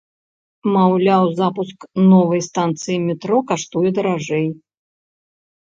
Маўляў, запуск новай станцыі метро каштуе даражэй.